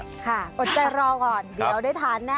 อดใจรอก่อนเดี๋ยวได้ทานแน่